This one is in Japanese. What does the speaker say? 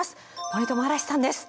森友嵐士さんです。